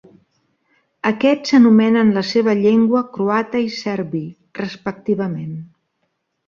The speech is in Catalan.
Aquests anomenen la seva llengua croata i serbi, respectivament.